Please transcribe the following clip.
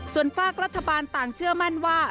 ส่วนฝากรัฐบาลต่างเชื่อมั่นว่า